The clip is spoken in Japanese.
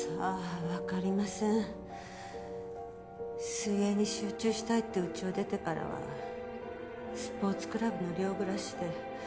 水泳に集中したいって家を出てからはスポーツクラブの寮暮らしで。